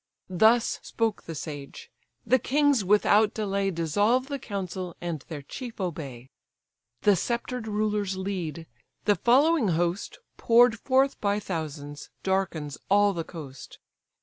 Thus spoke the sage: the kings without delay Dissolve the council, and their chief obey: The sceptred rulers lead; the following host, Pour'd forth by thousands, darkens all the coast.